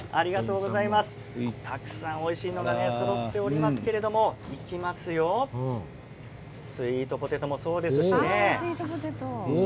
たくさんあっておいしいのがそろっておりますけれどもスイートポテトもそうですしね。